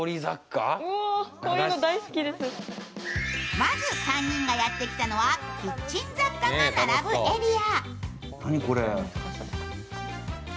まず、３人がやってきたのはキッチン雑貨が並ぶエリア。